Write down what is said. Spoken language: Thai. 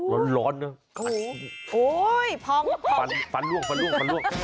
มันร้อนเนี่ยฟันล่วง